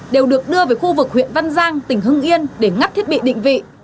đều được đưa về khu vực huyện văn giang tỉnh hưng yên để ngắt thiết bị định vị